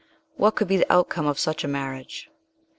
What could be the outcome of such a marriage?